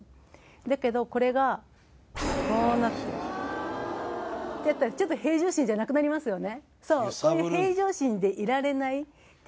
だけどこれがこうなって。ってやったらちょっと平常心じゃなくなりますよね。